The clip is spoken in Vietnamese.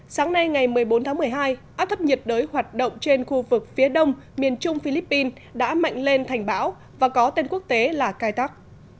sáng nay ngày một mươi bốn tháng một mươi hai áp thấp nhiệt đới hoạt động trên khu vực phía đông miền trung philippines đã mạnh lên thành bão và có tên quốc tế là cai tắc